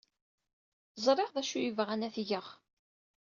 Ẓriɣ d acu ay bɣan ad t-geɣ.